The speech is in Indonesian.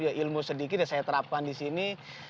ya ilmu sedikit saya terapkan disini